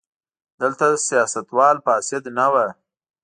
دلته سیاستوال فاسد نه وو.